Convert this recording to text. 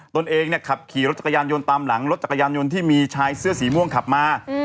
ตัวเองเนี่ยขับขี่รถจักรยานยนต์ตามหลังรถจักรยานยนต์ที่มีชายเสื้อสีม่วงขับมา